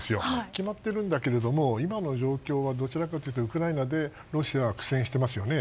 決まっているんだけども今の状況はどちらかというとウクライナでロシアが苦戦していますよね。